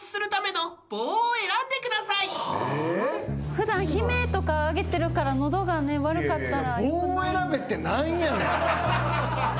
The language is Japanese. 普段悲鳴とか上げてるから喉が悪かったら。